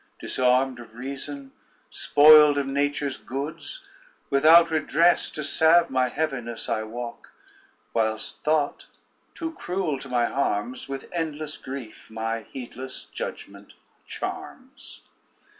Disarmed of reason, spoiled of nature's goods, Without redress to salve my heaviness I walk, whilst thought, too cruel to my harms, With endless grief my heedless judgment charms.